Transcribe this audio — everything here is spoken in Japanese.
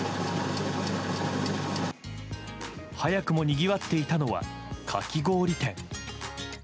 早くもにぎわっていたのはかき氷店。